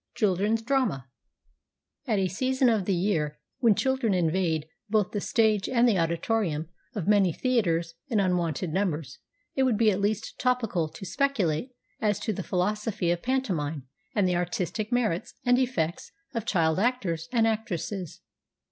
CHILDREN'S DRAMA AT a season of the yqar when children invade both the stage and the auditorium of many theatres in unwonted numbers it would be at least topical to speculate as to the philo sophy of pantomime and the artistic merits and defects of child actors and actresses.